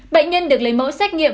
bệnh nhân được lấy mẫu xét nghiệm